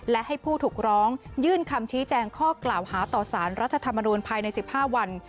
และให้ผู้ถูกร้องยื่นคำชี้แจงข้อกล่าวหาต่อสารรัฐธรรมนูลภายใน๑๕วัน